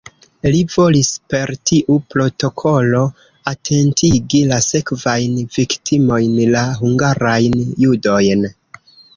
Li volis per tiu protokolo atentigi la sekvajn viktimojn, la hungarajn judojn.